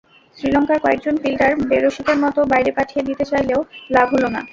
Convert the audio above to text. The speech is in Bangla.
শ্রীলঙ্কার কয়েকজন ফিল্ডার বেরসিকের মতো বাইরে পাঠিয়ে দিতে চাইলেও লাভ হলো না।